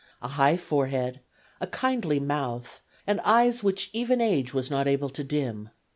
A high forehead, a kindly mouth and eyes which even age was not able to dim.